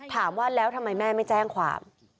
ถามว่าแล้วทำไมแม่ไม่แจ้งความ